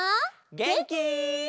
げんき？